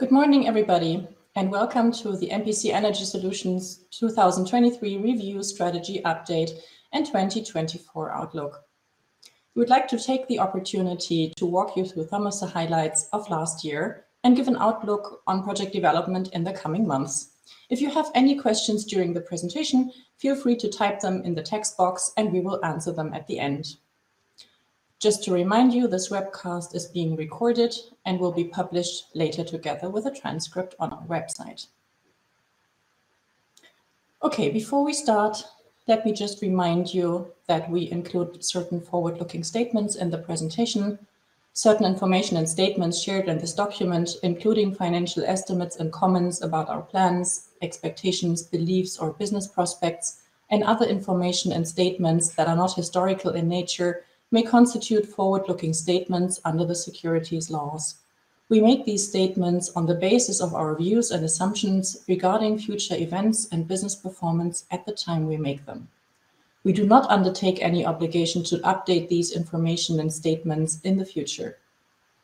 Good morning, everybody, and welcome to the MPC Energy Solutions 2023 Review Strategy Update and 2024 Outlook. We would like to take the opportunity to walk you through some of the highlights of last year and give an outlook on project development in the coming months. If you have any questions during the presentation, feel free to type them in the text box, and we will answer them at the end. Just to remind you, this webcast is being recorded and will be published later together with a transcript on our website. Okay, before we start, let me just remind you that we include certain forward-looking statements in the presentation. Certain information and statements shared in this document, including financial estimates and comments about our plans, expectations, beliefs, or business prospects, and other information and statements that are not historical in nature, may constitute forward-looking statements under the securities laws. We make these statements on the basis of our views and assumptions regarding future events and business performance at the time we make them. We do not undertake any obligation to update these information and statements in the future.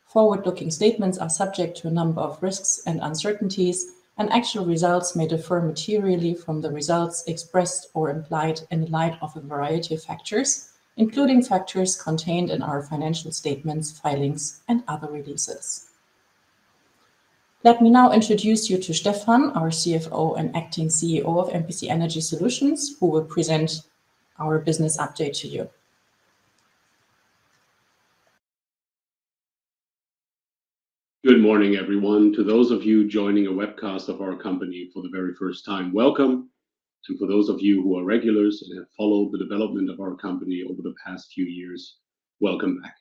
Forward-looking statements are subject to a number of risks and uncertainties, and actual results may differ materially from the results expressed or implied in light of a variety of factors, including factors contained in our financial statements, filings, and other releases. Let me now introduce you to Stefan, our CFO and acting CEO of MPC Energy Solutions, who will present our business update to you. Good morning, everyone. To those of you joining a webcast of our company for the very first time, welcome. For those of you who are regulars and have followed the development of our company over the past few years, welcome back.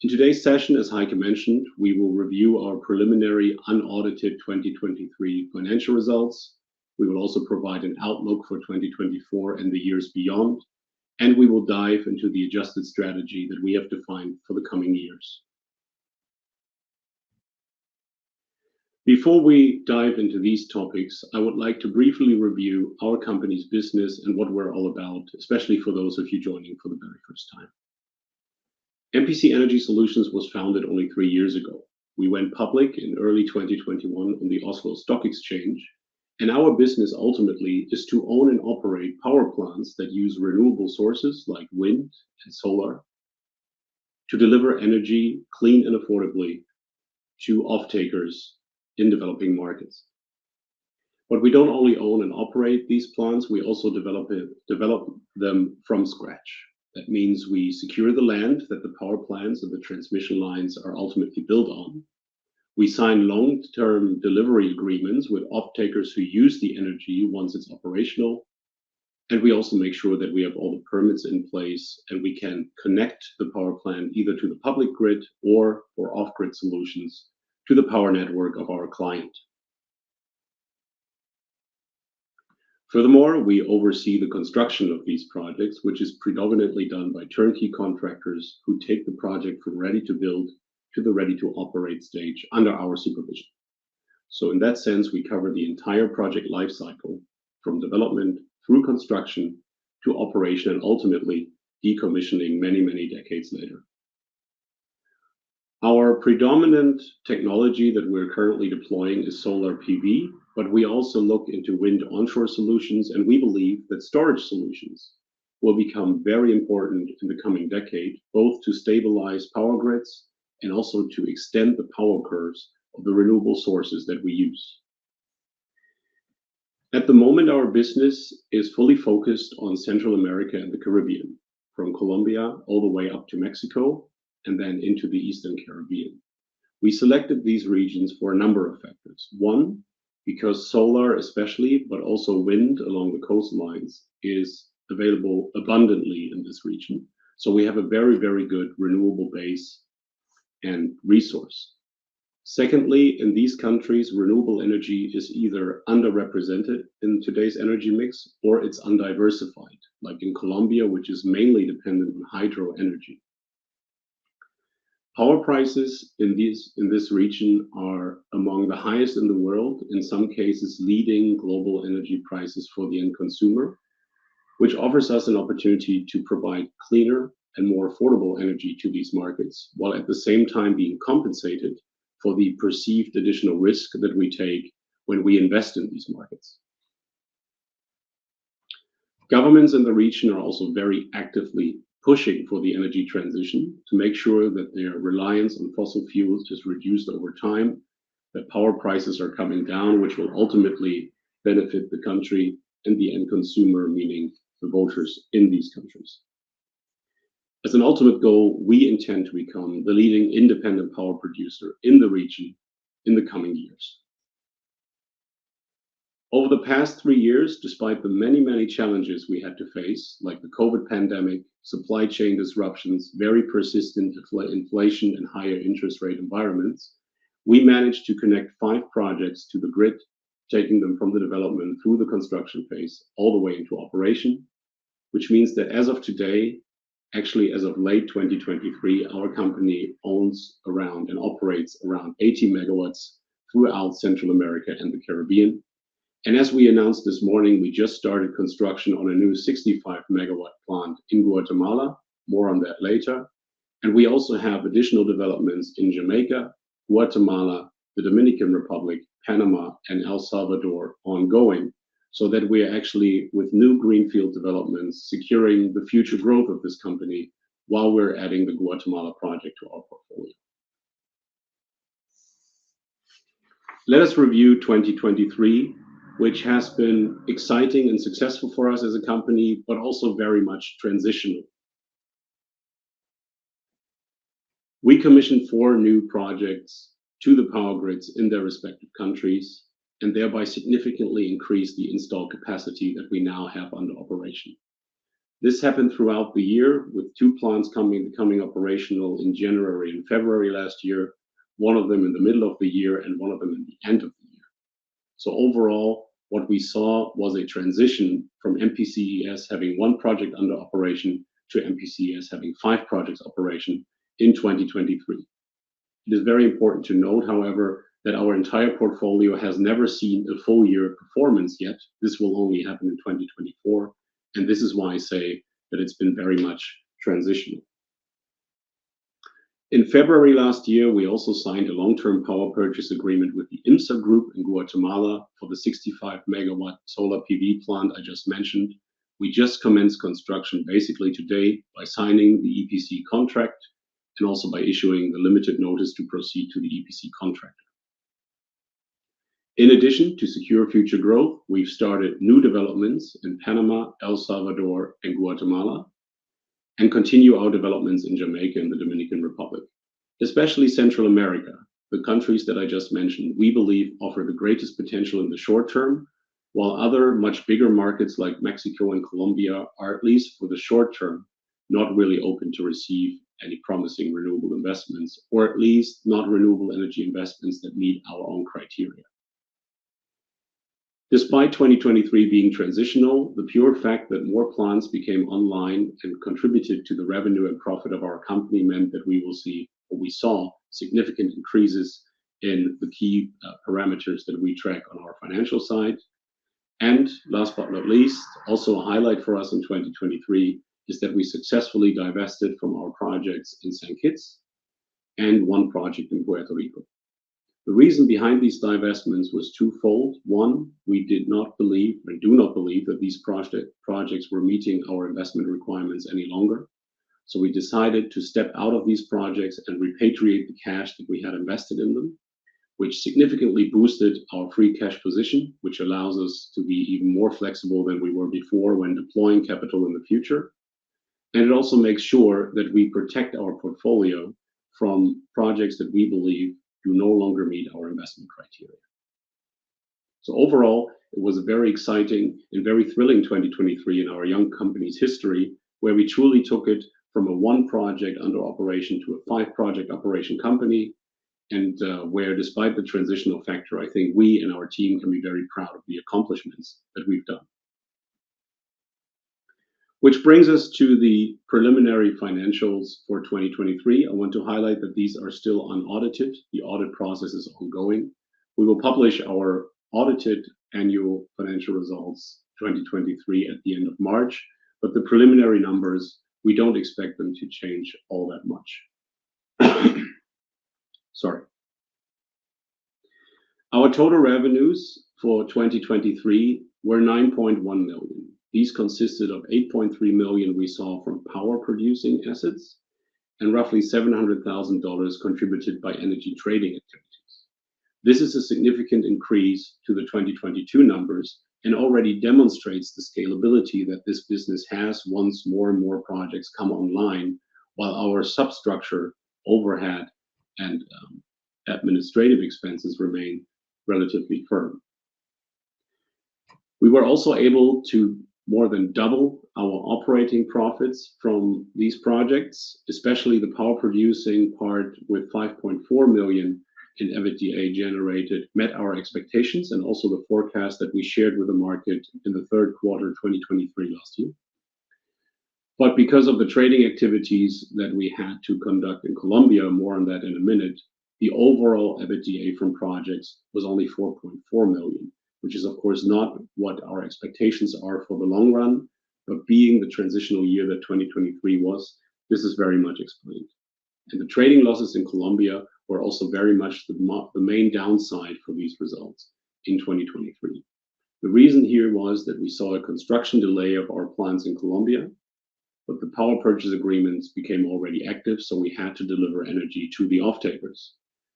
In today's session, as Heike mentioned, we will review our preliminary unaudited 2023 financial results. We will also provide an outlook for 2024 and the years beyond, and we will dive into the adjusted strategy that we have defined for the coming years. Before we dive into these topics, I would like to briefly review our company's business and what we're all about, especially for those of you joining for the very first time. MPC Energy Solutions was founded only three years ago. We went public in early 2021 on the Oslo Stock Exchange, and our business ultimately is to own and operate power plants that use renewable sources like wind and solar to deliver energy clean and affordably to off-takers in developing markets. But we don't only own and operate these plants; we also develop them from scratch. That means we secure the land that the power plants and the transmission lines are ultimately built on. We sign long-term delivery agreements with off-takers who use the energy once it's operational. And we also make sure that we have all the permits in place and we can connect the power plant either to the public grid or for off-grid solutions to the power network of our client. Furthermore, we oversee the construction of these projects, which is predominantly done by turnkey contractors who take the project from Ready-to-Build to the ready-to-operate stage under our supervision. So in that sense, we cover the entire project lifecycle from development through construction to operation and ultimately decommissioning many, many decades later. Our predominant technology that we're currently deploying is Solar PV, but we also look into wind onshore solutions, and we believe that storage solutions will become very important in the coming decade, both to stabilize power grids and also to extend the power curves of the renewable sources that we use. At the moment, our business is fully focused on Central America and the Caribbean, from Colombia all the way up to Mexico and then into the Eastern Caribbean. We selected these regions for a number of factors. One, because solar especially, but also wind along the coastlines, is available abundantly in this region. So we have a very, very good renewable base and resource. Secondly, in these countries, renewable energy is either underrepresented in today's energy mix or it's undiversified, like in Colombia, which is mainly dependent on hydro energy. Power prices in this region are among the highest in the world, in some cases leading global energy prices for the end consumer, which offers us an opportunity to provide cleaner and more affordable energy to these markets while at the same time being compensated for the perceived additional risk that we take when we invest in these markets. Governments in the region are also very actively pushing for the energy transition to make sure that their reliance on fossil fuels is reduced over time, that power prices are coming down, which will ultimately benefit the country and the end consumer, meaning the voters in these countries. As an ultimate goal, we intend to become the leading independent power producer in the region in the coming years. Over the past three years, despite the many, many challenges we had to face, like the COVID pandemic, supply chain disruptions, very persistent inflation, and higher interest rate environments, we managed to connect five projects to the grid, taking them from the development through the construction phase all the way into operation, which means that as of today, actually as of late 2023, our company owns around and operates around 80 MW throughout Central America and the Caribbean. As we announced this morning, we just started construction on a new 65 MW plant in Guatemala. More on that later. We also have additional developments in Jamaica, Guatemala, the Dominican Republic, Panama, and El Salvador ongoing, so that we are actually with new greenfield developments, securing the future growth of this company while we're adding the Guatemala project to our portfolio. Let us review 2023, which has been exciting and successful for us as a company, but also very much transitional. We commissioned 4 new projects to the power grids in their respective countries and thereby significantly increased the installed capacity that we now have under operation. This happened throughout the year, with 2 plants coming operational in January and February last year, 1 of them in the middle of the year and 1 of them at the end of the year. Overall, what we saw was a transition from MPCES having 1 project under operation to MPCES having 5 projects operation in 2023. It is very important to note, however, that our entire portfolio has never seen a full-year performance yet. This will only happen in 2024. This is why I say that it's been very much transitional. In February last year, we also signed a long-term power purchase agreement with the IMSA Group in Guatemala for the 65-MW solar PV plant I just mentioned. We just commenced construction basically today by signing the EPC contract and also by issuing the limited notice to proceed to the EPC contract. In addition to secure future growth, we've started new developments in Panama, El Salvador, and Guatemala, and continue our developments in Jamaica and the Dominican Republic, especially Central America. The countries that I just mentioned, we believe, offer the greatest potential in the short term, while other much bigger markets like Mexico and Colombia, at least for the short term, not really open to receive any promising renewable investments or at least not renewable energy investments that meet our own criteria. Despite 2023 being transitional, the pure fact that more plants became online and contributed to the revenue and profit of our company meant that we will see, or we saw, significant increases in the key parameters that we track on our financial side. Last but not least, also a highlight for us in 2023 is that we successfully divested from our projects in St. Kitts and one project in Puerto Rico. The reason behind these divestments was twofold. One, we did not believe and do not believe that these projects were meeting our investment requirements any longer. So we decided to step out of these projects and repatriate the cash that we had invested in them, which significantly boosted our free cash position, which allows us to be even more flexible than we were before when deploying capital in the future. It also makes sure that we protect our portfolio from projects that we believe do no longer meet our investment criteria. Overall, it was a very exciting and very thrilling 2023 in our young company's history, where we truly took it from a one project under operation to a five-project operation company, and where despite the transitional factor, I think we and our team can be very proud of the accomplishments that we've done. Which brings us to the preliminary financials for 2023. I want to highlight that these are still unaudited. The audit process is ongoing. We will publish our audited annual financial results 2023 at the end of March. But the preliminary numbers, we don't expect them to change all that much. Sorry. Our total revenues for 2023 were $9.1 million. These consisted of $8.3 million we saw from power-producing assets and roughly $700,000 contributed by energy trading activities. This is a significant increase to the 2022 numbers and already demonstrates the scalability that this business has once more and more projects come online while our infrastructure, overhead, and administrative expenses remain relatively fixed. We were also able to more than double our operating profits from these projects, especially the power-producing part with $5.4 million in EBITDA generated, met our expectations and also the forecast that we shared with the market in the third quarter 2023 last year. But because of the trading activities that we had to conduct in Colombia, more on that in a minute, the overall EBITDA from projects was only $4.4 million, which is, of course, not what our expectations are for the long run. But being the transitional year that 2023 was, this is very much explained. And the trading losses in Colombia were also very much the main downside for these results in 2023. The reason here was that we saw a construction delay of our plants in Colombia, but the power purchase agreements became already active, so we had to deliver energy to the off-takers.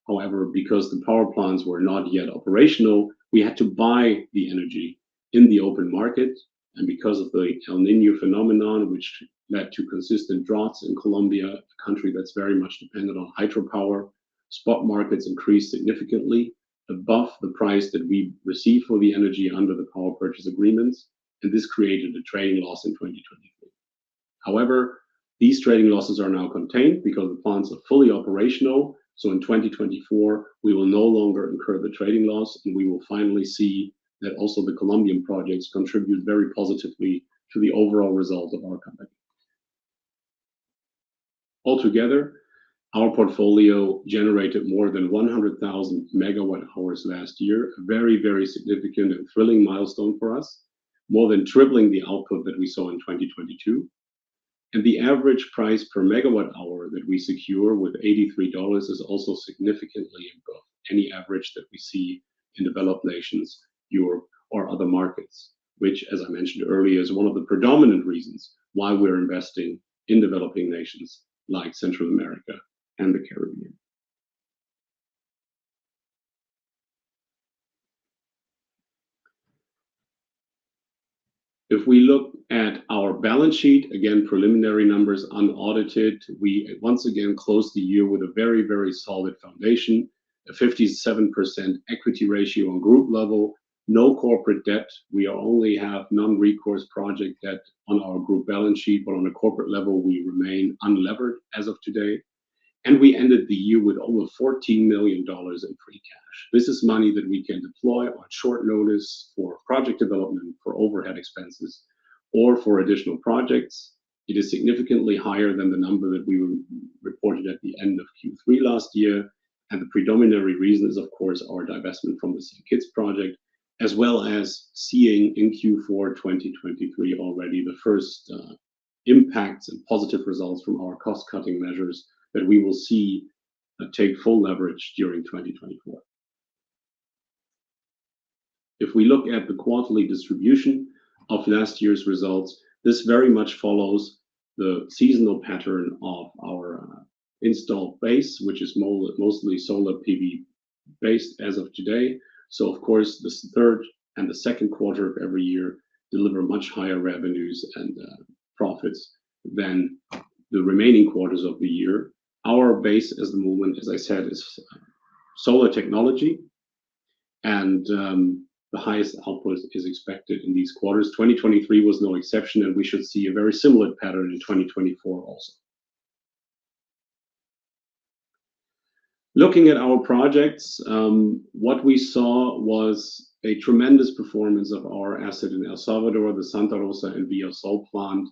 However, because the power plants were not yet operational, we had to buy the energy in the open market. Because of the El Niño phenomenon, which led to consistent droughts in Colombia, a country that's very much dependent on hydropower, spot markets increased significantly above the price that we receive for the energy under the power purchase agreements. This created a trading loss in 2023. However, these trading losses are now contained because the plants are fully operational. In 2024, we will no longer incur the trading loss, and we will finally see that also the Colombian projects contribute very positively to the overall result of our company. Altogether, our portfolio generated more than 100,000 MWh last year, a very, very significant and thrilling milestone for us, more than tripling the output that we saw in 2022. The average price per megawatt-hour that we secure with $83 is also significantly above any average that we see in developed nations, Europe, or other markets, which, as I mentioned earlier, is one of the predominant reasons why we're investing in developing nations like Central America and the Caribbean. If we look at our balance sheet, again, preliminary numbers unaudited, we once again closed the year with a very, very solid foundation, a 57% equity ratio on group level, no corporate debt. We only have non-recourse project debt on our group balance sheet, but on a corporate level, we remain unlevered as of today. We ended the year with over $14 million in free cash. This is money that we can deploy on short notice for project development, for overhead expenses, or for additional projects. It is significantly higher than the number that we reported at the end of Q3 last year. The predominant reason is, of course, our divestment from the St. Kitts project, as well as seeing in Q4 2023 already the first impacts and positive results from our cost-cutting measures that we will see take full leverage during 2024. If we look at the quarterly distribution of last year's results, this very much follows the seasonal pattern of our installed base, which is mostly solar PV-based as of today. So, of course, the third and the second quarter of every year deliver much higher revenues and profits than the remaining quarters of the year. Our base at the moment, as I said, is solar technology. The highest output is expected in these quarters. 2023 was no exception, and we should see a very similar pattern in 2024 also. Looking at our projects, what we saw was a tremendous performance of our asset in El Salvador, the Santa Rosa and Villa Sol plant,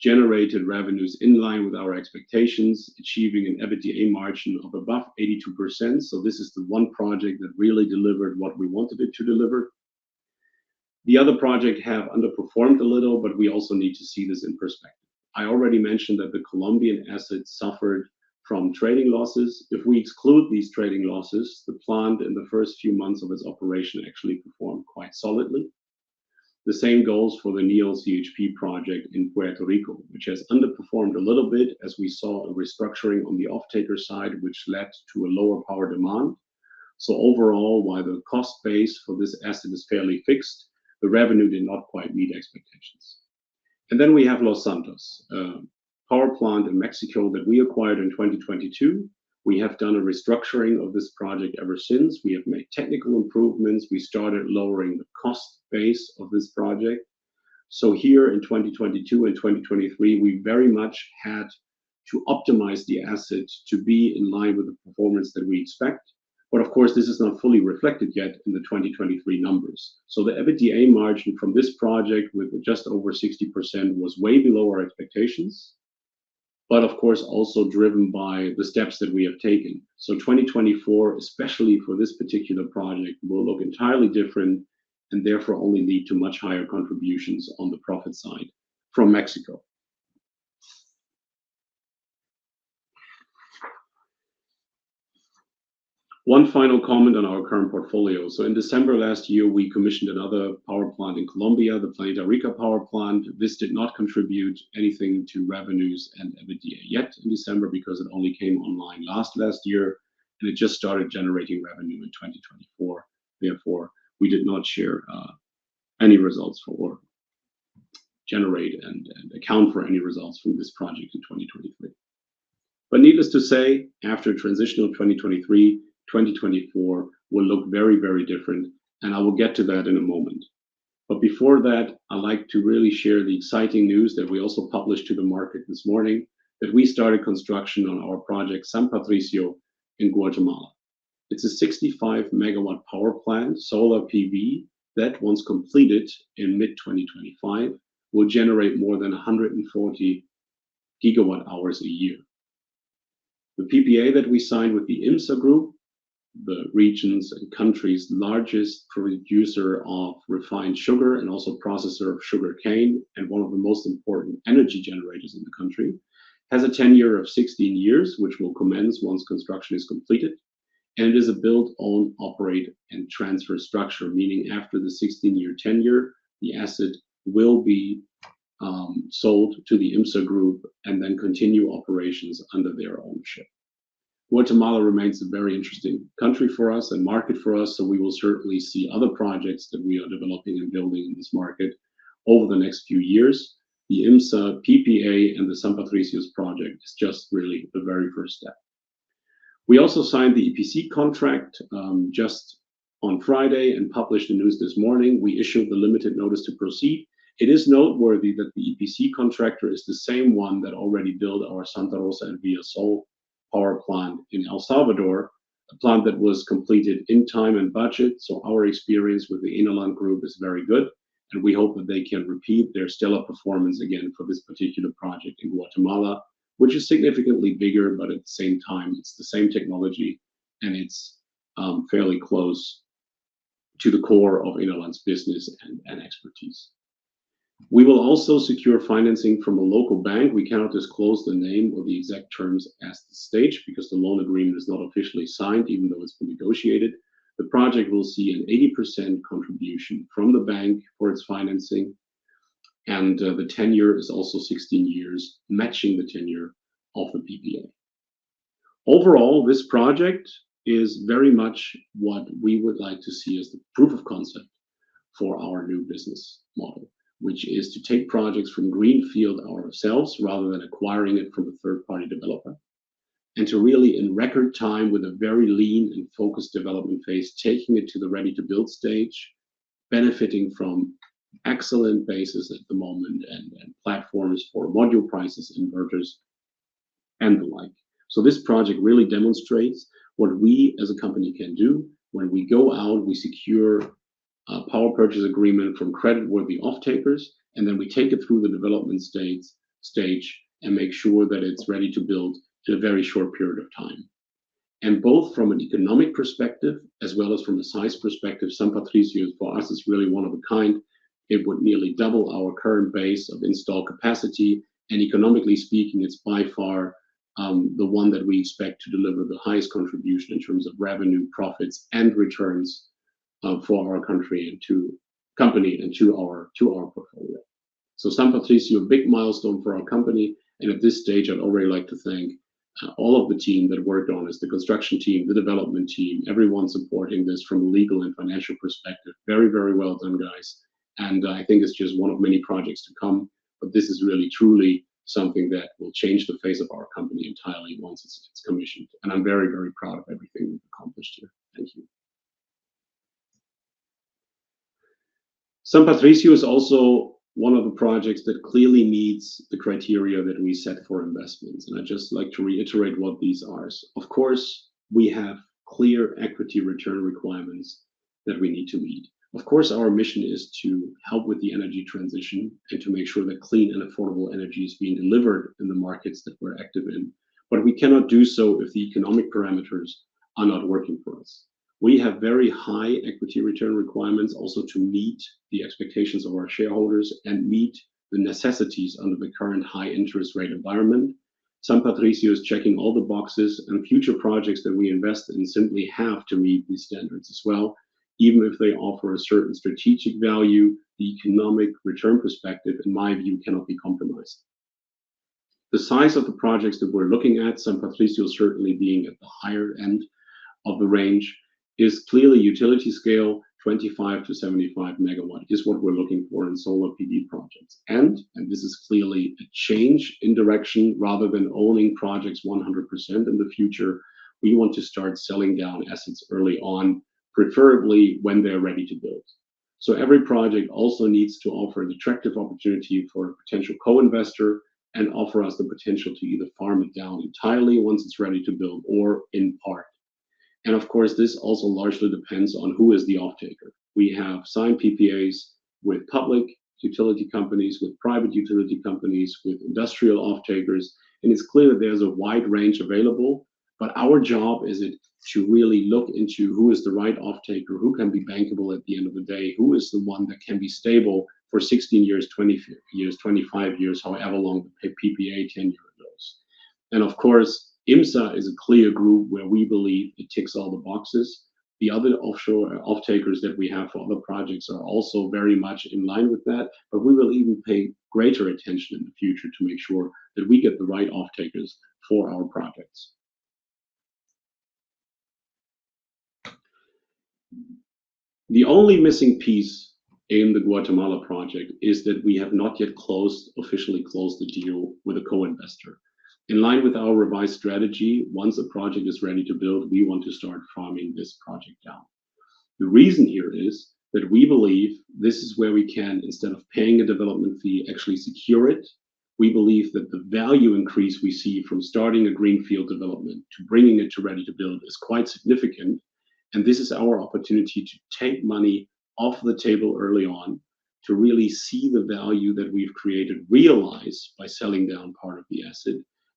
generated revenues in line with our expectations, achieving an EBITDA margin of above 82%. So this is the one project that really delivered what we wanted it to deliver. The other projects have underperformed a little, but we also need to see this in perspective. I already mentioned that the Colombian assets suffered from trading losses. If we exclude these trading losses, the plant in the first few months of its operation actually performed quite solidly. The same goes for the Neol CHP project in Puerto Rico, which has underperformed a little bit as we saw a restructuring on the off-taker side, which led to a lower power demand. So overall, while the cost base for this asset is fairly fixed, the revenue did not quite meet expectations. And then we have Los Santos, a power plant in Mexico that we acquired in 2022. We have done a restructuring of this project ever since. We have made technical improvements. We started lowering the cost base of this project. So here in 2022 and 2023, we very much had to optimize the asset to be in line with the performance that we expect. But of course, this is not fully reflected yet in the 2023 numbers. So the EBITDA margin from this project with just over 60% was way below our expectations, but of course, also driven by the steps that we have taken. So 2024, especially for this particular project, will look entirely different and therefore only lead to much higher contributions on the profit side from Mexico. One final comment on our current portfolio. So in December last year, we commissioned another power plant in Colombia, the Planeta Rica power plant. This did not contribute anything to revenues and EBITDA yet in December because it only came online last year, and it just started generating revenue in 2024. Therefore, we did not share any results for or generate and account for any results from this project in 2023. But needless to say, after a transitional 2023, 2024 will look very, very different. And I will get to that in a moment. But before that, I'd like to really share the exciting news that we also published to the market this morning, that we started construction on our project San Patricio in Guatemala. It's a 65 MW power plant, solar PV, that once completed in mid-2025 will generate more than 140 GWh a year. The PPA that we signed with the IMSA Group, the region's and country's largest producer of refined sugar and also processor of sugar cane, and one of the most important energy generators in the country, has a tenure of 16 years, which will commence once construction is completed. It is a build-own, operate, and transfer structure, meaning after the 16-year tenure, the asset will be sold to the IMSA Group and then continue operations under their ownership. Guatemala remains a very interesting country for us and market for us. We will certainly see other projects that we are developing and building in this market over the next few years. The IMSA PPA and the San Patricio's project is just really the very first step. We also signed the EPC contract just on Friday and published the news this morning. We issued the limited notice to proceed. It is noteworthy that the EPC contractor is the same one that already built our Santa Rosa and Villa Sol power plant in El Salvador, a plant that was completed in time and budget. So our experience with ISOTRON S.A. is very good, and we hope that they can repeat. Thier stellar performance again for this particular project in Guatemala, which is significantly bigger, but at the same time, it's the same technology, and it's fairly close to the core of ISOTRON S.A.'s business and expertise. We will also secure financing from a local bank. We cannot disclose the name or the exact terms as the stage because the loan agreement is not officially signed, even though it's been negotiated. The project will see an 80% contribution from the bank for its financing. The tenure is also 16 years, matching the tenure of the PPA. Overall, this project is very much what we would like to see as the proof of concept for our new business model, which is to take projects from greenfield ourselves rather than acquiring it from a third-party developer, and to really, in record time, with a very lean and focused development phase, taking it to the ready-to-build stage, benefiting from excellent bases at the moment and platforms for module prices, inverters, and the like. So this project really demonstrates what we as a company can do. When we go out, we secure a power purchase agreement from creditworthy off-takers, and then we take it through the development stage and make sure that it's ready to build in a very short period of time. Both from an economic perspective as well as from a size perspective, San Patricio, for us, is really one of a kind. It would nearly double our current base of installed capacity. Economically speaking, it's by far the one that we expect to deliver the highest contribution in terms of revenue, profits, and returns for our country and to company and to our portfolio. San Patricio, a big milestone for our company. At this stage, I'd already like to thank all of the team that worked on us, the construction team, the development team, everyone supporting this from a legal and financial perspective. Very, very well done, guys. I think it's just one of many projects to come. This is really truly something that will change the face of our company entirely once it's commissioned. I'm very, very proud of everything we've accomplished here. Thank you. San Patricio is also one of the projects that clearly meets the criteria that we set for investments. I'd just like to reiterate what these are. Of course, we have clear equity return requirements that we need to meet. Of course, our mission is to help with the energy transition and to make sure that clean and affordable energy is being delivered in the markets that we're active in. But we cannot do so if the economic parameters are not working for us. We have very high equity return requirements also to meet the expectations of our shareholders and meet the necessities under the current high interest rate environment. San Patricio is checking all the boxes, and future projects that we invest in simply have to meet these standards as well, even if they offer a certain strategic value. The economic return perspective, in my view, cannot be compromised. The size of the projects that we're looking at, San Patricio certainly being at the higher end of the range, is clearly utility-scale, 25-75 MW is what we're looking for in solar PV projects. This is clearly a change in direction rather than owning projects 100% in the future. We want to start selling down assets early on, preferably when they're ready-to-build. Every project also needs to offer an attractive opportunity for a potential co-investor and offer us the potential to either farm it down entirely once it's ready-to-build or in part. Of course, this also largely depends on who is the off-taker. We have signed PPAs with public utility companies, with private utility companies, with industrial off-takers. It's clear that there's a wide range available. Our job is to really look into who is the right off-taker, who can be bankable at the end of the day, who is the one that can be stable for 16 years, 20 years, 25 years, however long the PPA tenure goes. Of course, IMSA is a clear group where we believe it ticks all the boxes. The other off-takers that we have for other projects are also very much in line with that. We will even pay greater attention in the future to make sure that we get the right off-takers for our projects. The only missing piece in the Guatemala project is that we have not yet closed, officially closed the deal with a co-investor. In line with our revised strategy, once a project is ready to build, we want to start farming this project down. The reason here is that we believe this is where we can, instead of paying a development fee, actually secure it. We believe that the value increase we see from starting a greenfield development to bringing it to ready-to-build is quite significant. And this is our opportunity to take money off the table early on to really see the value that we've created realized by selling down part of the asset.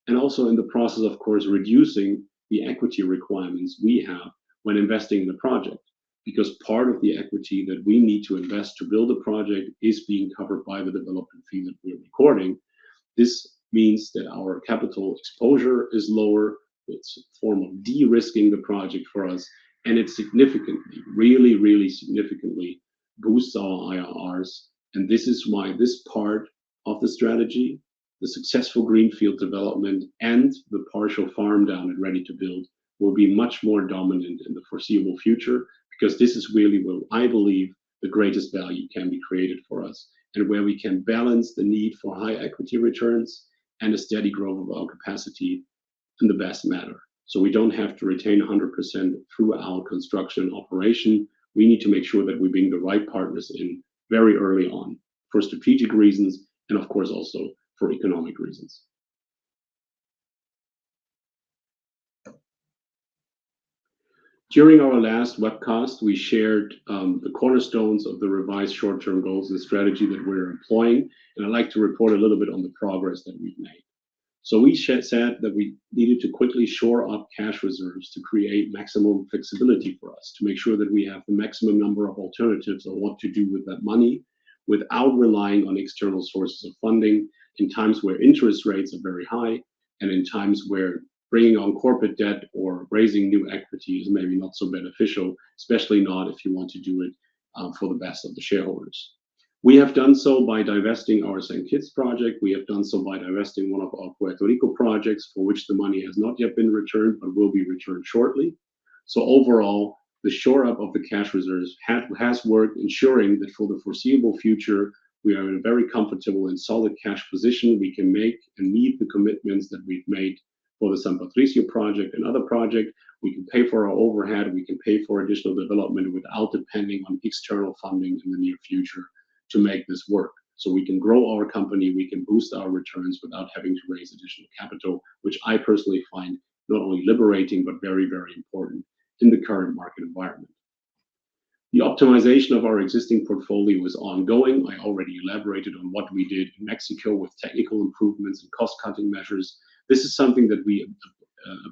And also in the process, of course, reducing the equity requirements we have when investing in the project, because part of the equity that we need to invest to build a project is being covered by the development fee that we're recording. This means that our capital exposure is lower. It's a form of de-risking the project for us. And it significantly, really, really significantly boosts our IRRs. This is why this part of the strategy, the successful greenfield development and the partial farm down at ready-to-build, will be much more dominant in the foreseeable future, because this is really where I believe the greatest value can be created for us and where we can balance the need for high equity returns and a steady growth of our capacity in the best manner. So we don't have to retain 100% throughout construction operation. We need to make sure that we bring the right partners in very early on for strategic reasons and, of course, also for economic reasons. During our last webcast, we shared the cornerstones of the revised short-term goals and strategy that we're employing. And I'd like to report a little bit on the progress that we've made. So we said that we needed to quickly shore up cash reserves to create maximum flexibility for us, to make sure that we have the maximum number of alternatives or what to do with that money without relying on external sources of funding in times where interest rates are very high and in times where bringing on corporate debt or raising new equity is maybe not so beneficial, especially not if you want to do it for the best of the shareholders. We have done so by divesting our St. Kitts project. We have done so by divesting one of our Puerto Rico projects for which the money has not yet been returned but will be returned shortly. So overall, the shore up of the cash reserves has worked, ensuring that for the foreseeable future, we are in a very comfortable and solid cash position. We can make and meet the commitments that we've made for the San Patricio project and other projects. We can pay for our overhead. We can pay for additional development without depending on external funding in the near future to make this work. So we can grow our company. We can boost our returns without having to raise additional capital, which I personally find not only liberating but very, very important in the current market environment. The optimization of our existing portfolio is ongoing. I already elaborated on what we did in Mexico with technical improvements and cost-cutting measures. This is something that we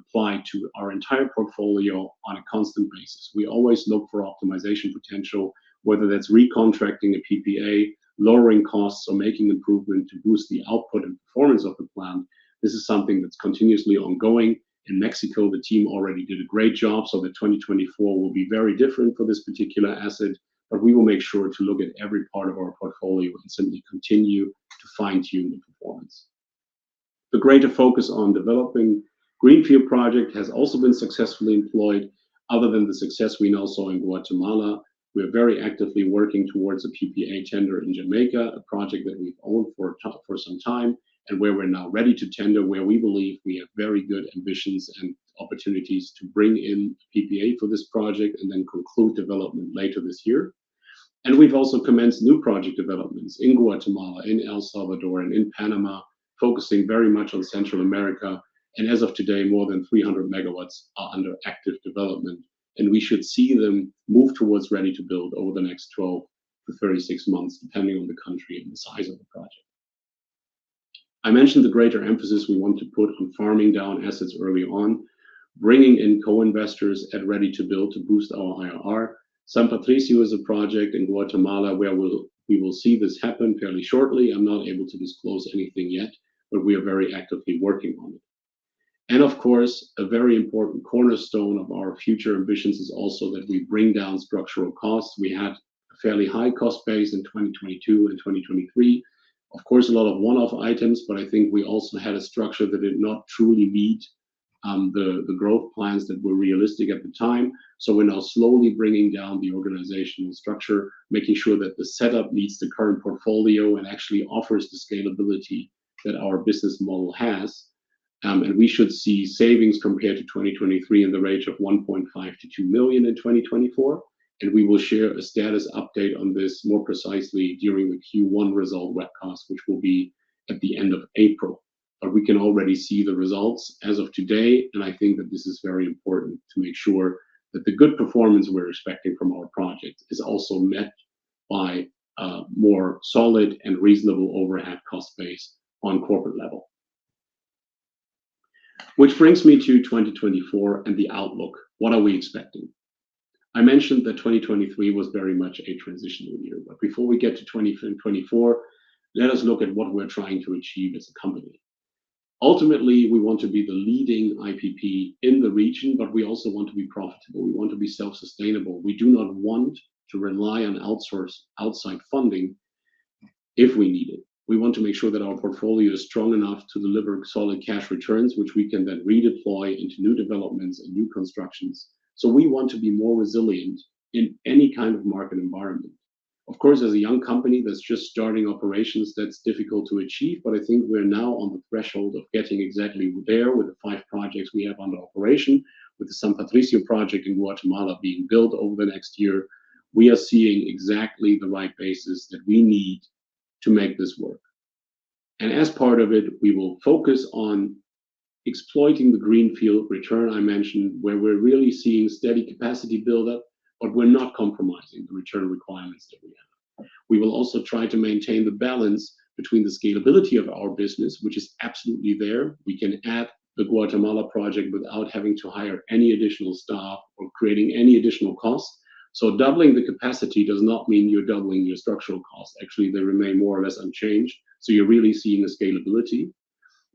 apply to our entire portfolio on a constant basis. We always look for optimization potential, whether that's recontracting a PPA, lowering costs, or making improvement to boost the output and performance of the plant. This is something that's continuously ongoing. In Mexico, the team already did a great job. The 2024 will be very different for this particular asset. We will make sure to look at every part of our portfolio and simply continue to fine-tune the performance. The greater focus on developing the greenfield project has also been successfully employed. Other than the success we now saw in Guatemala, we are very actively working towards a PPA tender in Jamaica, a project that we've owned for some time and where we're now ready to tender, where we believe we have very good ambitions and opportunities to bring in a PPA for this project and then conclude development later this year. We've also commenced new project developments in Guatemala, in El Salvador, and in Panama, focusing very much on Central America. As of today, more than 300 MW are under active development. We should see them move towards ready-to-build over the next 12-36 months, depending on the country and the size of the project. I mentioned the greater emphasis we want to put on farm down assets early on, bringing in co-investors at ready-to-build to boost our IRR. San Patricio is a project in Guatemala where we will see this happen fairly shortly. I'm not able to disclose anything yet, but we are very actively working on it. And of course, a very important cornerstone of our future ambitions is also that we bring down structural costs. We had a fairly high cost base in 2022 and 2023, of course, a lot of one-off items. But I think we also had a structure that did not truly meet the growth plans that were realistic at the time. So we're now slowly bringing down the organizational structure, making sure that the setup meets the current portfolio and actually offers the scalability that our business model has. We should see savings compared to 2023 in the range of $1.5 million-$2 million in 2024. We will share a status update on this more precisely during the Q1 result webcast, which will be at the end of April. But we can already see the results as of today. I think that this is very important to make sure that the good performance we're expecting from our project is also met by a more solid and reasonable overhead cost base on corporate level. Which brings me to 2024 and the outlook. What are we expecting? I mentioned that 2023 was very much a transitional year. But before we get to 2024, let us look at what we're trying to achieve as a company. Ultimately, we want to be the leading IPP in the region, but we also want to be profitable. We want to be self-sustainable. We do not want to rely on outside funding if we need it. We want to make sure that our portfolio is strong enough to deliver solid cash returns, which we can then redeploy into new developments and new constructions. So we want to be more resilient in any kind of market environment. Of course, as a young company that's just starting operations, that's difficult to achieve. But I think we're now on the threshold of getting exactly there, with the five projects we have under operation, with the San Patricio project in Guatemala being built over the next year. We are seeing exactly the right basis that we need to make this work. And as part of it, we will focus on exploiting the greenfield return I mentioned, where we're really seeing steady capacity buildup, but we're not compromising the return requirements that we have. We will also try to maintain the balance between the scalability of our business, which is absolutely there. We can add the Guatemala project without having to hire any additional staff or creating any additional cost. So doubling the capacity does not mean you're doubling your structural costs. Actually, they remain more or less unchanged. So you're really seeing the scalability.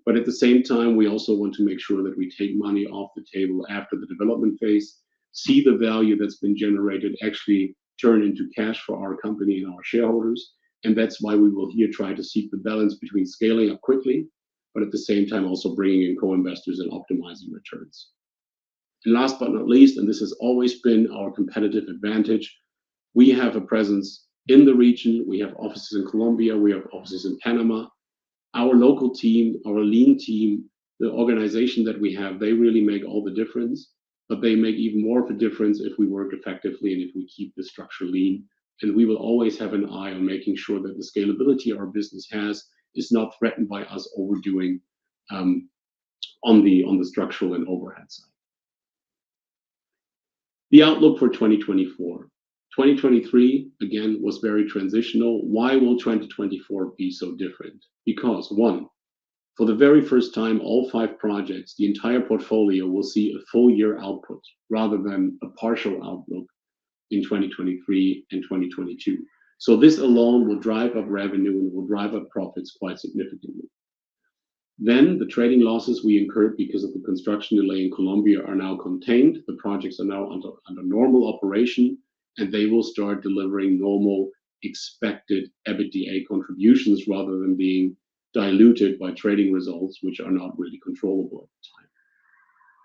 But at the same time, we also want to make sure that we take money off the table after the development phase, see the value that's been generated actually turn into cash for our company and our shareholders. That's why we will here try to seek the balance between scaling up quickly, but at the same time, also bringing in co-investors and optimizing returns. Last but not least, and this has always been our competitive advantage, we have a presence in the region. We have offices in Colombia. We have offices in Panama. Our local team, our lean team, the organization that we have, they really make all the difference. But they make even more of a difference if we work effectively and if we keep the structure lean. We will always have an eye on making sure that the scalability our business has is not threatened by us overdoing on the structural and overhead side. The outlook for 2024. 2023, again, was very transitional. Why will 2024 be so different? Because, one, for the very first time, all five projects, the entire portfolio will see a full-year output rather than a partial outlook in 2023 and 2022. So this alone will drive up revenue and will drive up profits quite significantly. Then the trading losses we incurred because of the construction delay in Colombia are now contained. The projects are now under normal operation. And they will start delivering normal expected EBITDA contributions rather than being diluted by trading results, which are not really controllable at the time.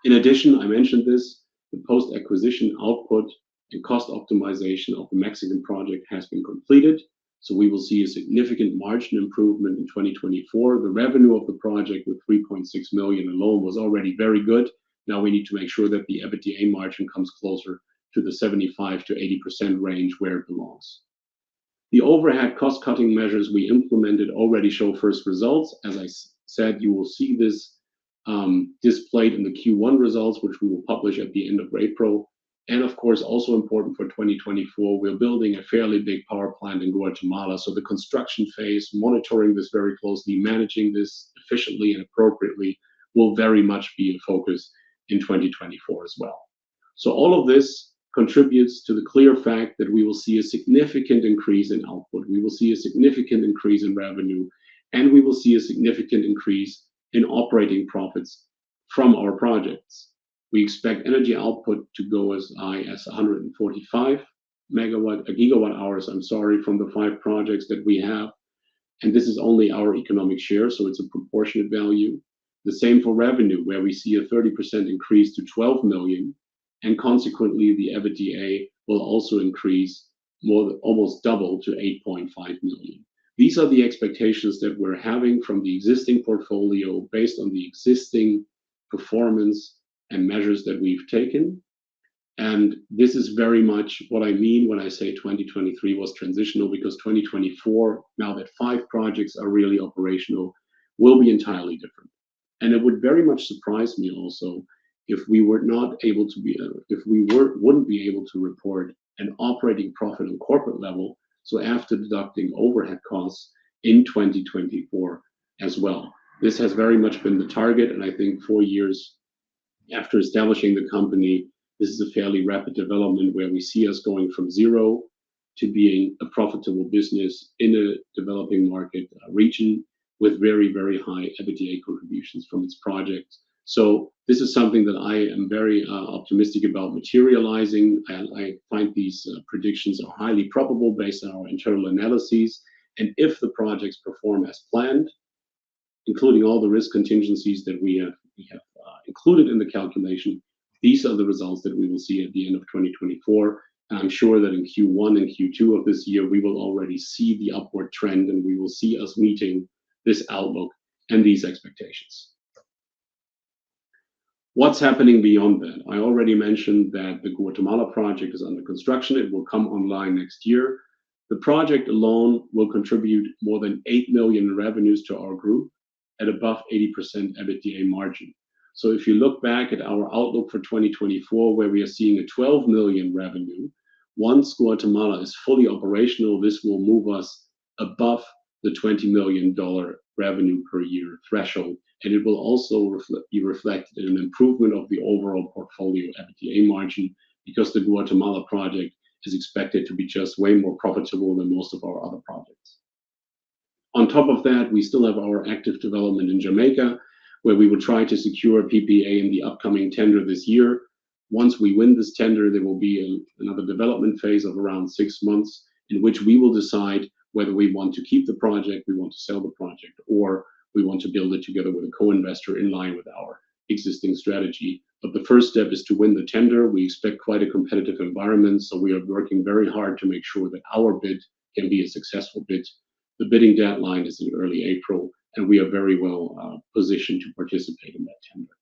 In addition, I mentioned this, the post-acquisition output and cost optimization of the Mexican project has been completed. So we will see a significant margin improvement in 2024. The revenue of the project with $3.6 million alone was already very good. Now we need to make sure that the EBITDA margin comes closer to the 75%-80% range where it belongs. The overhead cost-cutting measures we implemented already show first results. As I said, you will see this displayed in the Q1 results, which we will publish at the end of April. Of course, also important for 2024, we're building a fairly big power plant in Guatemala. The construction phase, monitoring this very closely, managing this efficiently and appropriately will very much be in focus in 2024 as well. All of this contributes to the clear fact that we will see a significant increase in output. We will see a significant increase in revenue. We will see a significant increase in operating profits from our projects. We expect energy output to go as high as 145 GWh, I'm sorry, from the 5 projects that we have. This is only our economic share. So it's a proportionate value. The same for revenue, where we see a 30% increase to $12 million. And consequently, the EBITDA will also increase almost double to $8.5 million. These are the expectations that we're having from the existing portfolio based on the existing performance and measures that we've taken. And this is very much what I mean when I say 2023 was transitional, because 2024, now that 5 projects are really operational, will be entirely different. And it would very much surprise me also if we were not able to, if we wouldn't be able to report an operating profit on corporate level, so after deducting overhead costs in 2024 as well. This has very much been the target. I think 4 years after establishing the company, this is a fairly rapid development where we see us going from 0 to being a profitable business in a developing market region with very, very high EBITDA contributions from its projects. This is something that I am very optimistic about materializing. I find these predictions are highly probable based on our internal analyses. If the projects perform as planned, including all the risk contingencies that we have included in the calculation, these are the results that we will see at the end of 2024. I'm sure that in Q1 and Q2 of this year, we will already see the upward trend. We will see us meeting this outlook and these expectations. What's happening beyond that? I already mentioned that the Guatemala project is under construction. It will come online next year. The project alone will contribute more than $8 million in revenues to our group at above 80% EBITDA margin. So if you look back at our outlook for 2024, where we are seeing a $12 million revenue, once Guatemala is fully operational, this will move us above the $20 million revenue per year threshold. And it will also be reflected in an improvement of the overall portfolio EBITDA margin because the Guatemala project is expected to be just way more profitable than most of our other projects. On top of that, we still have our active development in Jamaica, where we will try to secure a PPA in the upcoming tender this year. Once we win this tender, there will be another development phase of around six months in which we will decide whether we want to keep the project, we want to sell the project, or we want to build it together with a co-investor in line with our existing strategy. The first step is to win the tender. We expect quite a competitive environment. We are working very hard to make sure that our bid can be a successful bid. The bidding deadline is in early April. We are very well positioned to participate in that tender.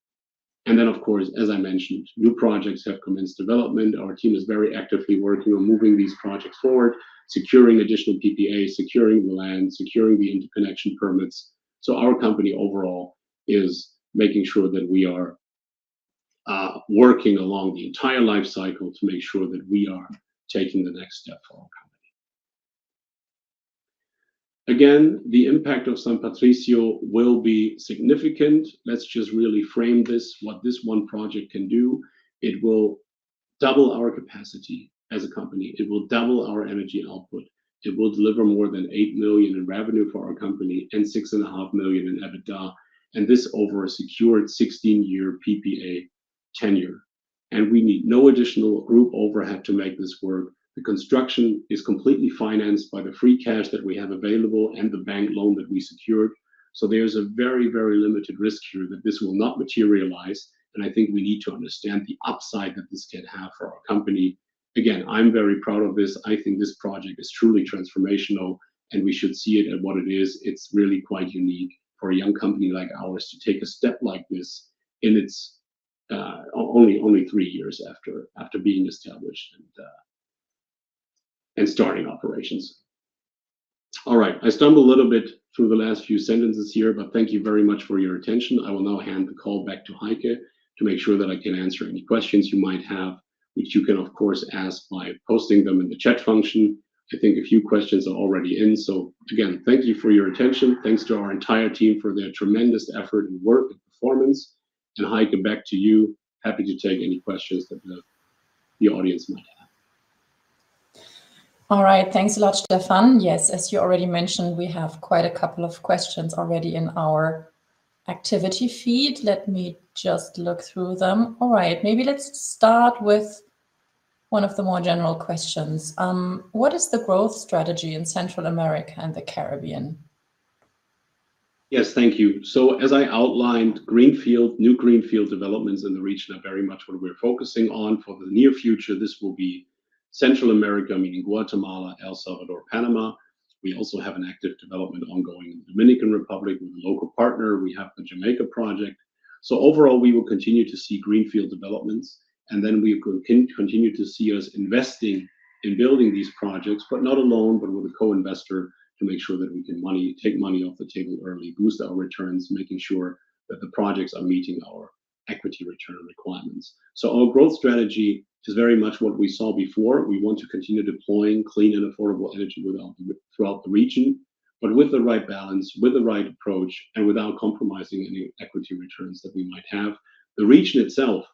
Then, of course, as I mentioned, new projects have commenced development. Our team is very actively working on moving these projects forward, securing additional PPA, securing the land, securing the interconnection permits. So our company overall is making sure that we are working along the entire lifecycle to make sure that we are taking the next step for our company. Again, the impact of San Patricio will be significant. Let's just really frame this, what this one project can do. It will double our capacity as a company. It will double our energy output. It will deliver more than $8 million in revenue for our company and $6.5 million in EBITDA. And this over a secured 16-year PPA tenure. And we need no additional group overhead to make this work. The construction is completely financed by the free cash that we have available and the bank loan that we secured. So there is a very, very limited risk here that this will not materialize. And I think we need to understand the upside that this can have for our company. Again, I'm very proud of this. I think this project is truly transformational. And we should see it at what it is. It's really quite unique for a young company like ours to take a step like this in its only three years after being established and starting operations. All right. I stumbled a little bit through the last few sentences here. But thank you very much for your attention. I will now hand the call back to Heike to make sure that I can answer any questions you might have, which you can, of course, ask by posting them in the chat function. I think a few questions are already in. So again, thank you for your attention. Thanks to our entire team for their tremendous effort and work and performance. Heike, back to you. Happy to take any questions that the audience might have. All right. Thanks a lot, Stefan. Yes, as you already mentioned, we have quite a couple of questions already in our activity feed. Let me just look through them. All right. Maybe let's start with one of the more general questions. What is the growth strategy in Central America and the Caribbean? Yes, thank you. So as I outlined, greenfield, new greenfield developments in the region are very much what we're focusing on for the near future. This will be Central America, meaning Guatemala, El Salvador, Panama. We also have an active development ongoing in the Dominican Republic with a local partner. We have the Jamaica project. So overall, we will continue to see greenfield developments. And then we will continue to see us investing in building these projects, but not alone, but with a co-investor to make sure that we can take money off the table early, boost our returns, making sure that the projects are meeting our equity return requirements. So our growth strategy is very much what we saw before. We want to continue deploying clean and affordable energy throughout the region, but with the right balance, with the right approach, and without compromising any equity returns that we might have. The region itself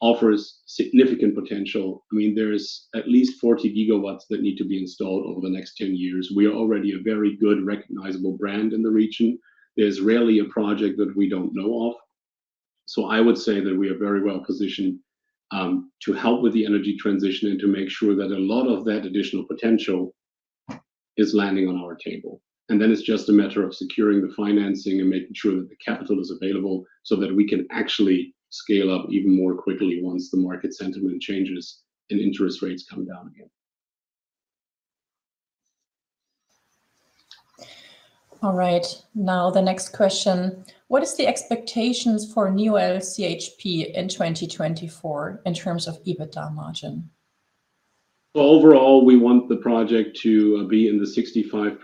offers significant potential. I mean, there is at least 40 GW that need to be installed over the next 10 years. We are already a very good, recognizable brand in the region. There's rarely a project that we don't know of. So I would say that we are very well positioned to help with the energy transition and to make sure that a lot of that additional potential is landing on our table. Then it's just a matter of securing the financing and making sure that the capital is available so that we can actually scale up even more quickly once the market sentiment changes and interest rates come down again. All right. Now, the next question. What is the expectations for new Neol CHP in 2024 in terms of EBITDA margin? Well, overall, we want the project to be in the 65%-70%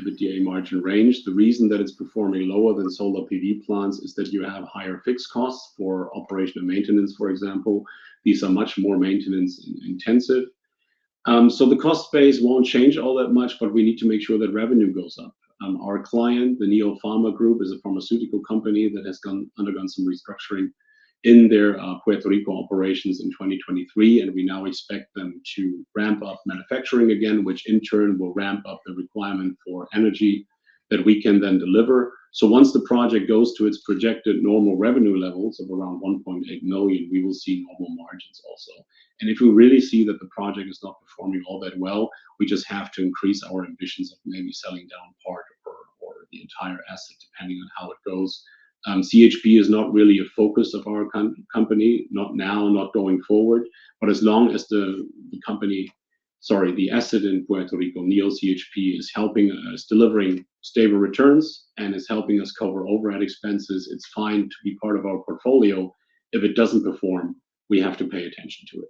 EBITDA margin range. The reason that it's performing lower than solar PV plants is that you have higher fixed costs for operation and maintenance, for example. These are much more maintenance-intensive. So the cost base won't change all that much. But we need to make sure that revenue goes up. Our client, Neolpharma, is a pharmaceutical company that has undergone some restructuring in their Puerto Rico operations in 2023. We now expect them to ramp up manufacturing again, which in turn will ramp up the requirement for energy that we can then deliver. So once the project goes to its projected normal revenue levels of around $1.8 million, we will see normal margins also. If we really see that the project is not performing all that well, we just have to increase our ambitions of maybe selling down part or the entire asset, depending on how it goes. CHP is not really a focus of our company, not now, not going forward. But as long as the company sorry, the asset in Puerto Rico, NEO CHP, is helping, is delivering stable returns and is helping us cover overhead expenses, it's fine to be part of our portfolio. If it doesn't perform, we have to pay attention to it.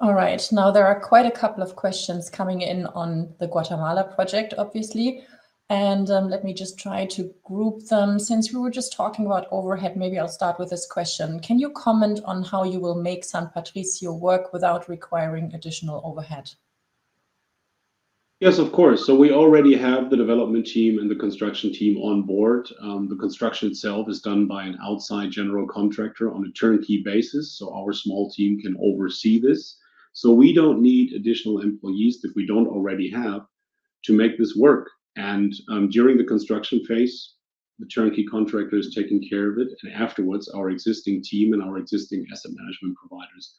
All right. Now, there are quite a couple of questions coming in on the Guatemala project, obviously. Let me just try to group them. Since we were just talking about overhead, maybe I'll start with this question. Can you comment on how you will make San Patricio work without requiring additional overhead? Yes, of course. We already have the development team and the construction team on board. The construction itself is done by an outside general contractor on a turnkey basis. Our small team can oversee this. We don't need additional employees, if we don't already have, to make this work. During the construction phase, the turnkey contractor is taking care of it. Afterwards, our existing team and our existing asset management providers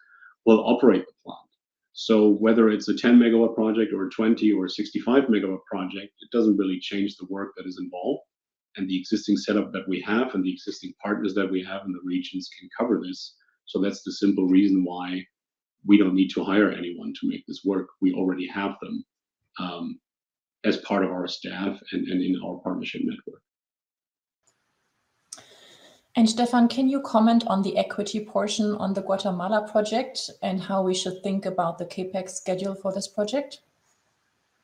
will operate the plant. Whether it's a 10-MW project or a 20- or 65-MW project, it doesn't really change the work that is involved. The existing setup that we have and the existing partners that we have in the regions can cover this. That's the simple reason why we don't need to hire anyone to make this work. We already have them as part of our staff and in our partnership network. Stefan, can you comment on the equity portion on the Guatemala project and how we should think about the CapEx schedule for this project?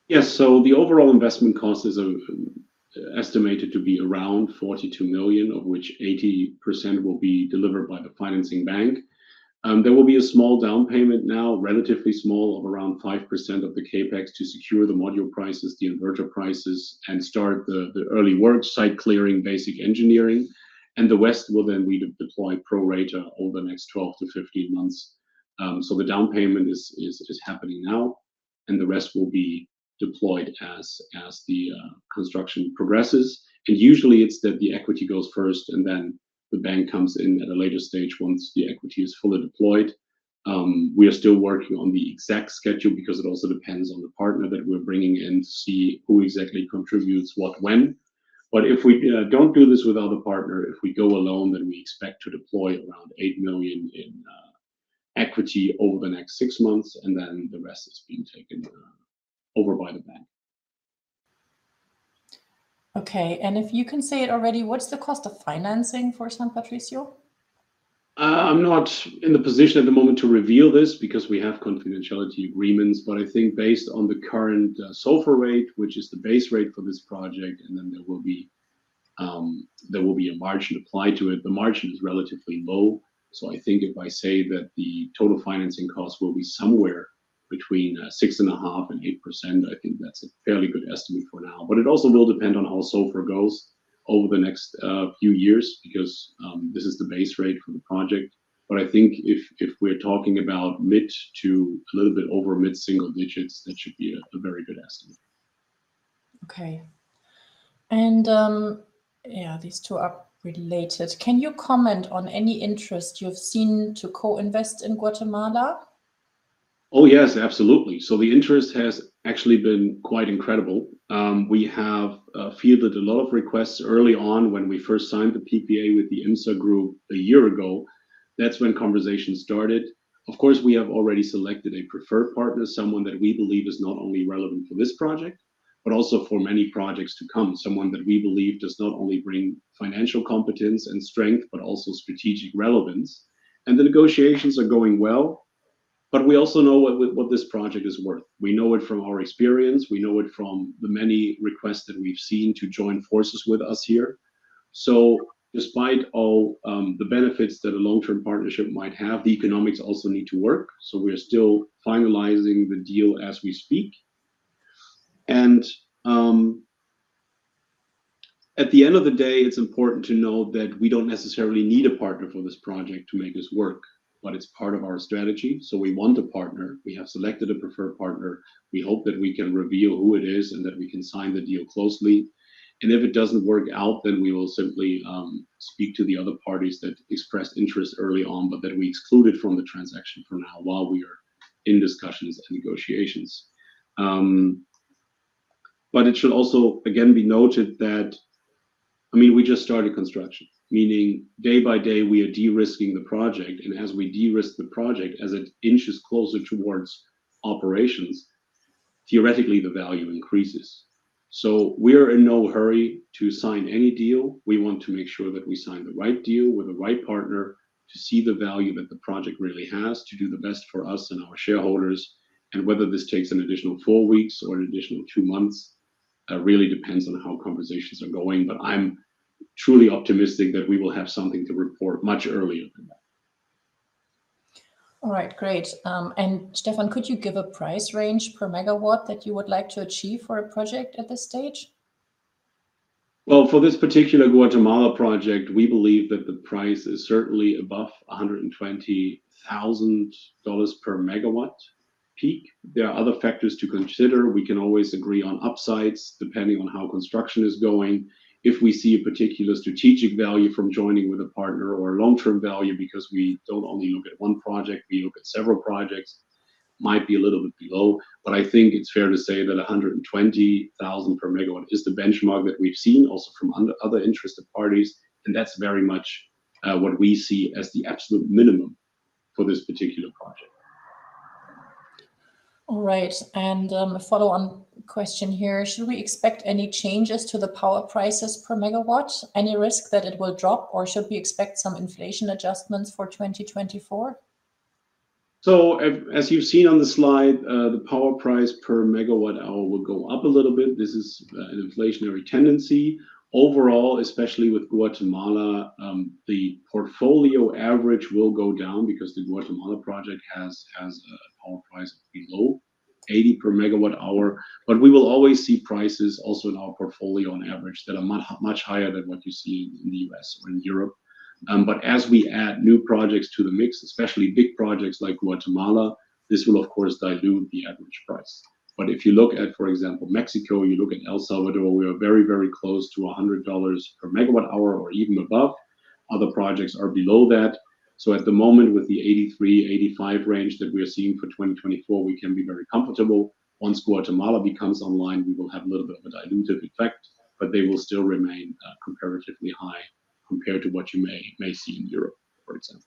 Yes. So the overall investment cost is estimated to be around $42 million, of which 80% will be delivered by the financing bank. There will be a small down payment now, relatively small, of around 5% of the CapEx to secure the module prices, the inverter prices, and start the early work, site clearing, basic engineering. And the rest will then be deployed pro rata over the next 12-15 months. So the down payment is happening now. And the rest will be deployed as the construction progresses. And usually, it's that the equity goes first, and then the bank comes in at a later stage once the equity is fully deployed. We are still working on the exact schedule because it also depends on the partner that we're bringing in to see who exactly contributes what, when. But if we don't do this without a partner, if we go alone, then we expect to deploy around $8 million in equity over the next six months. Then the rest is being taken over by the bank. Okay. If you can say it already, what's the cost of financing for San Patricio? I'm not in the position at the moment to reveal this because we have confidentiality agreements. But I think based on the current SOFR rate, which is the base rate for this project, and then there will be a margin applied to it, the margin is relatively low. So I think if I say that the total financing cost will be somewhere between 6.5% and 8%, I think that's a fairly good estimate for now. But it also will depend on how SOFR goes over the next few years because this is the base rate for the project. But I think if we're talking about mid- to a little bit over mid-single digits, that should be a very good estimate. Okay. And yeah, these two are related. Can you comment on any interest you've seen to co-invest in Guatemala? Oh, yes, absolutely. So the interest has actually been quite incredible. We have fielded a lot of requests early on when we first signed the PPA with the IMSA Group a year ago. That's when conversations started. Of course, we have already selected a preferred partner, someone that we believe is not only relevant for this project, but also for many projects to come, someone that we believe does not only bring financial competence and strength, but also strategic relevance. And the negotiations are going well. But we also know what this project is worth. We know it from our experience. We know it from the many requests that we've seen to join forces with us here. So despite all the benefits that a long-term partnership might have, the economics also need to work. So we are still finalizing the deal as we speak. At the end of the day, it's important to know that we don't necessarily need a partner for this project to make this work. It's part of our strategy. We want a partner. We have selected a preferred partner. We hope that we can reveal who it is and that we can sign the deal closely. And if it doesn't work out, then we will simply speak to the other parties that expressed interest early on, but that we excluded from the transaction for now while we are in discussions and negotiations. But it should also, again, be noted that I mean, we just started construction, meaning day by day, we are de-risking the project. And as we de-risk the project, as it inches closer toward operations, theoretically, the value increases. So we are in no hurry to sign any deal. We want to make sure that we sign the right deal with the right partner to see the value that the project really has, to do the best for us and our shareholders. Whether this takes an additional 4 weeks or an additional 2 months really depends on how conversations are going. I'm truly optimistic that we will have something to report much earlier than that. All right. Great. And Stefan, could you give a price range per megawatt that you would like to achieve for a project at this stage? Well, for this particular Guatemala project, we believe that the price is certainly above $120,000 per MWp. There are other factors to consider. We can always agree on upsides depending on how construction is going. If we see a particular strategic value from joining with a partner or a long-term value because we don't only look at one project, we look at several projects, might be a little bit below. But I think it's fair to say that $120,000 per MWp is the benchmark that we've seen also from other interested parties. That's very much what we see as the absolute minimum for this particular project. All right. A follow-on question here. Should we expect any changes to the power prices per megawatt, any risk that it will drop, or should we expect some inflation adjustments for 2024? So as you've seen on the slide, the power price per megawatt hour will go up a little bit. This is an inflationary tendency. Overall, especially with Guatemala, the portfolio average will go down because the Guatemala project has a power price below $80/MWh. But we will always see prices also in our portfolio, on average, that are much higher than what you see in the US or in Europe. But as we add new projects to the mix, especially big projects like Guatemala, this will, of course, dilute the average price. But if you look at, for example, Mexico, you look at El Salvador, we are very, very close to $100/MWh or even above. Other projects are below that. So at the moment, with the 83-85 range that we are seeing for 2024, we can be very comfortable. Once Guatemala becomes online, we will have a little bit of a diluted effect. But they will still remain comparatively high compared to what you may see in Europe, for example.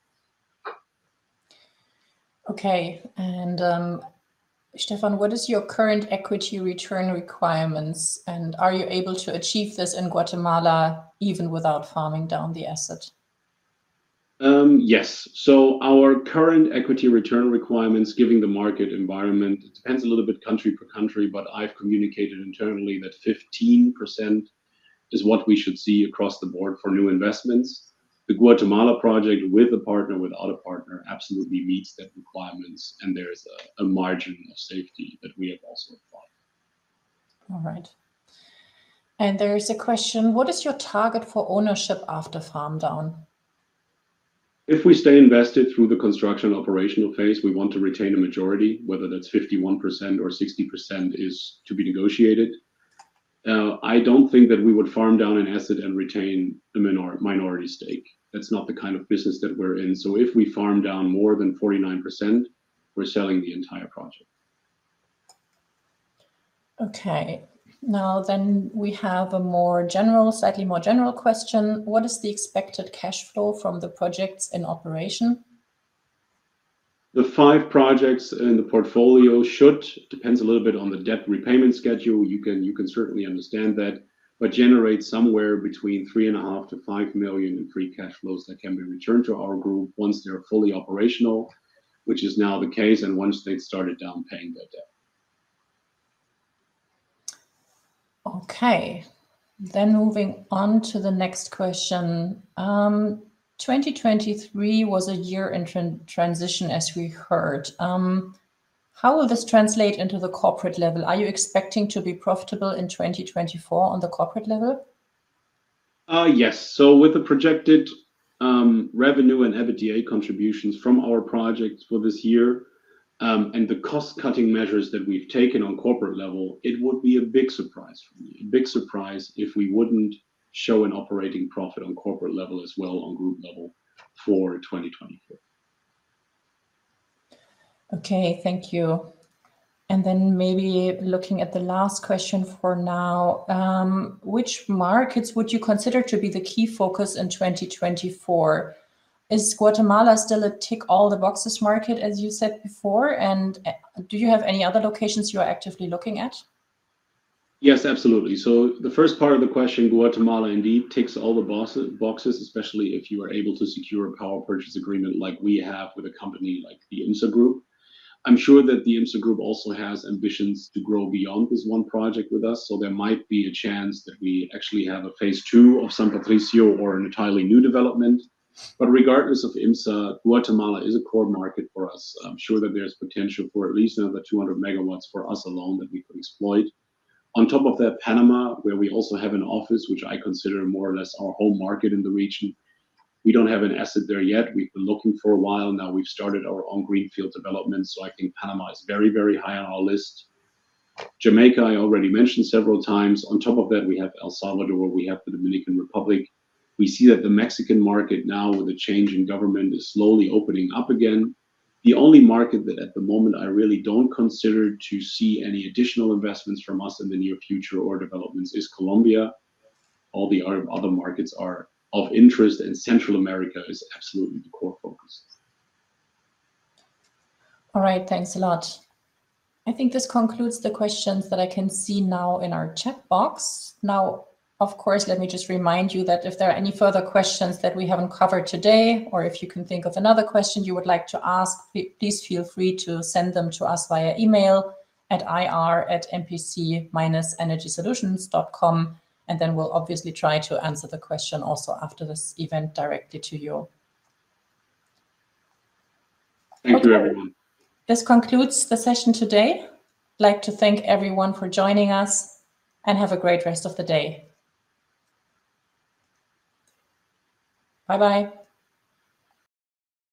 Okay. And Stefan, what is your current equity return requirements? And are you able to achieve this in Guatemala even without farm down the asset? Yes. So our current equity return requirements, given the market environment, it depends a little bit country per country. But I've communicated internally that 15% is what we should see across the board for new investments. The Guatemala project, with a partner, without a partner, absolutely meets that requirements. And there is a margin of safety that we have also applied. All right. There is a question. What is your target for ownership after farm down? If we stay invested through the construction operational phase, we want to retain a majority, whether that's 51% or 60% is to be negotiated. I don't think that we would farm down an asset and retain a minority stake. That's not the kind of business that we're in. So if we farm down more than 49%, we're selling the entire project. Okay. Now, then we have a more general, slightly more general question. What is the expected cash flow from the projects in operation? The five projects in the portfolio should depend a little bit on the debt repayment schedule. You can certainly understand that, but generate somewhere between $3.5 million-$5 million in free cash flows that can be returned to our group once they are fully operational, which is now the case, and once they've started downpaying their debt. Okay. Then moving on to the next question. 2023 was a year in transition, as we heard. How will this translate into the corporate level? Are you expecting to be profitable in 2024 on the corporate level? Yes. So with the projected revenue and EBITDA contributions from our projects for this year and the cost-cutting measures that we've taken on corporate level, it would be a big surprise for me, a big surprise if we wouldn't show an operating profit on corporate level as well, on group level, for 2024. Okay. Thank you. And then maybe looking at the last question for now, which markets would you consider to be the key focus in 2024? Is Guatemala still a tick-all-the-boxes market, as you said before? And do you have any other locations you are actively looking at? Yes, absolutely. So the first part of the question, Guatemala indeed ticks all the boxes, especially if you are able to secure a power purchase agreement like we have with a company like the IMSA Group. I'm sure that the IMSA Group also has ambitions to grow beyond this one project with us. So there might be a chance that we actually have a phase two of San Patricio or an entirely new development. But regardless of IMSA, Guatemala is a core market for us. I'm sure that there's potential for at least another 200 MW for us alone that we could exploit. On top of that, Panama, where we also have an office, which I consider more or less our home market in the region, we don't have an asset there yet. We've been looking for a while. Now, we've started our own greenfield development. I think Panama is very, very high on our list. Jamaica, I already mentioned several times. On top of that, we have El Salvador. We have the Dominican Republic. We see that the Mexican market now, with a change in government, is slowly opening up again. The only market that at the moment I really don't consider to see any additional investments from us in the near future or developments is Colombia. All the other markets are of interest. Central America is absolutely the core focus. All right. Thanks a lot. I think this concludes the questions that I can see now in our chat box. Now, of course, let me just remind you that if there are any further questions that we haven't covered today or if you can think of another question you would like to ask, please feel free to send them to us via email at ir@mpc-energysolutions.com. And then we'll obviously try to answer the question also after this event directly to you. Thank you, everyone. This concludes the session today. I'd like to thank everyone for joining us and have a great rest of the day. Bye-bye.